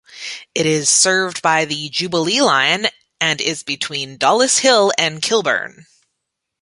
It is served by the Jubilee line and is between Dollis Hill and Kilburn.